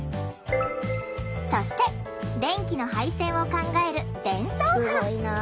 そして電気の配線を考える電装班。